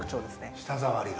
舌触りが。